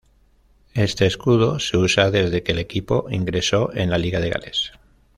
Este escudo se usa desde que el equipo ingresó en la Liga de Gales.